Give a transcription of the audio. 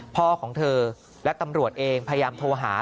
พ่อของเธอและตำรวจเองพยายามโทรหา